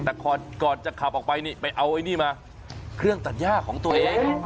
แต่ก่อนจะขับออกไปนี่ไปเอาไอ้นี่มาเครื่องตัดย่าของตัวเอง